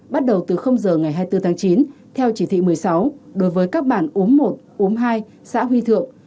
bắt đầu từ giờ ngày hai mươi bốn tháng chín theo chỉ thị một mươi sáu đối với các bản uống một uống hai xã huy thượng